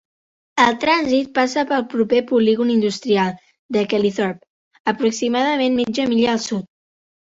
El trànsit passa pel proper polígon industrial de Kelleythorpe, a aproximadament mitja milla al sud.